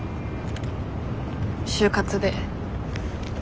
就活で。